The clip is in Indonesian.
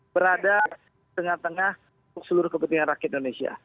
berada tengah tengah untuk seluruh kepentingan rakyat indonesia